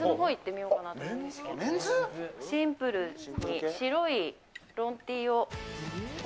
シンプルに白いロンＴを。